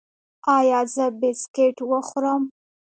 ایا زه بسکټ وخورم؟